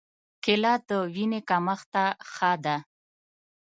کېله د وینې کمښت ته ښه ده.